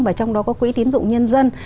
và trong đó có quỹ tiến dụng nhân dân